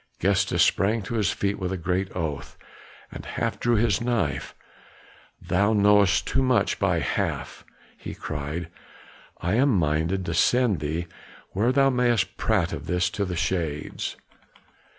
Gestas sprang to his feet with a great oath, and half drew his knife. "Thou knowest too much by half," he cried; "I am minded to send thee where thou mayest prate of this to the shades."